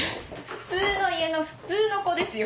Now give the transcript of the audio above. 普通の家の普通の子ですよ。